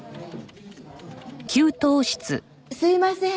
すいません！